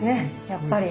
やっぱり。